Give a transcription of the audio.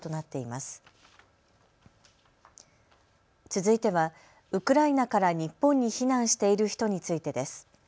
続いてはウクライナから日本に避難している人についてです。